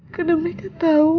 karena mereka tau